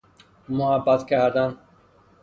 محبت کردن